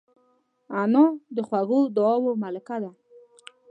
انا د خوږو دعاوو ملکه ده